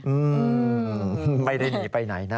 อืมไม่ได้หนีไปไหนนะ